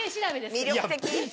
魅力的。